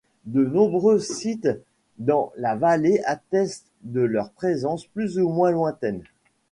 De nombreux sites dans la vallée attestent de leur présence plus ou moins lointaine.